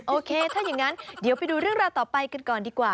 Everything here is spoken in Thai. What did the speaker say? โอเคถ้าอย่างนั้นเดี๋ยวไปดูเรื่องราวต่อไปกันก่อนดีกว่า